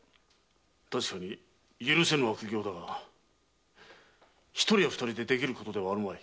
たしかに許せぬ悪行だが一人や二人でできることではあるまい。